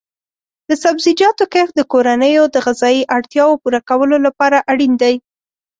د سبزیجاتو کښت د کورنیو د غذایي اړتیاو پوره کولو لپاره اړین دی.